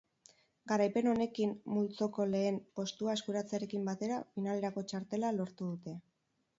Garaipen honekin multzoko lehen postua eskuratzearekin batera finalerako txartela lortu dute.